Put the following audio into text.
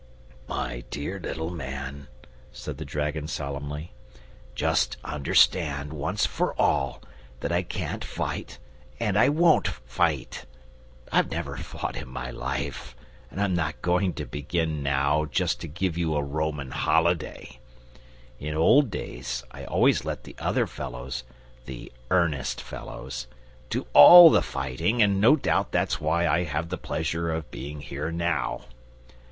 "My dear little man," said the dragon solemnly, "just understand, once for all, that I can't fight and I won't fight. I've never fought in my life, and I'm not going to begin now, just to give you a Roman holiday. In old days I always let the other fellows the EARNEST fellows do all the fighting, and no doubt that's why I have the pleasure of being here now."